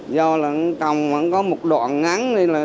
do là cầm có một đoạn ngắn làm như bốn mươi phân